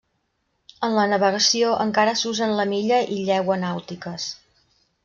En la navegació encara s'usen la milla i llegua nàutiques.